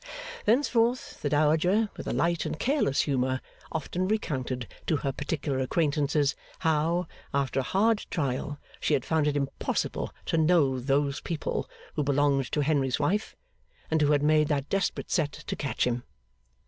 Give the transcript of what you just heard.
Thenceforth the Dowager, with a light and careless humour, often recounted to her particular acquaintance how, after a hard trial, she had found it impossible to know those people who belonged to Henry's wife, and who had made that desperate set to catch him.